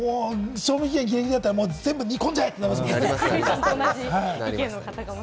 賞味期限ぎりぎりだったら全部に煮込んじゃえってなります